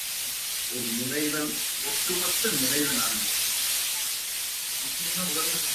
The wealth from gold and wool brought immense investment to Melbourne and Sydney.